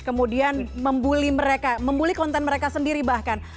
kemudian membuli mereka membuli konten mereka sendiri bahkan